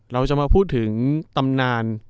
เราจะมาพูดถึงตำนาน